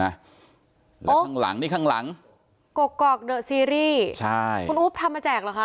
แล้วข้างหลังนี่ข้างหลังกกอกเดอะซีรีส์ใช่คุณอุ๊บทำมาแจกเหรอคะ